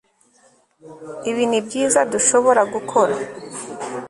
Ibi nibyiza dushobora gukora